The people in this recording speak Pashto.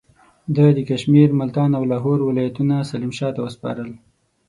ده د کشمیر، ملتان او لاهور ولایتونه سلیم شاه ته وسپارل.